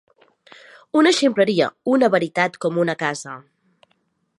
Una ximpleria, una veritat, com una casa.